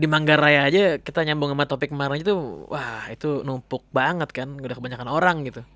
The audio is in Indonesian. di manggarai aja kita nyambung sama topik kemarin itu wah itu numpuk banget kan udah kebanyakan orang gitu